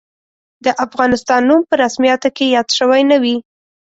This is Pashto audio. د افغانستان نوم په رسمیاتو کې یاد شوی نه وي.